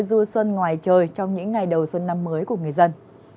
du xuân ngoài trời trong những ngày đầu xuân năm mới của người dân